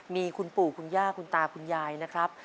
มีคุณปู่คุณย่าคุณตาคุณยายนะครับ